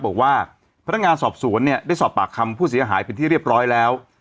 บอกว่าพนักงานสอบสวนเนี่ยได้สอบปากคำผู้เสียหายเป็นที่เรียบร้อยแล้ว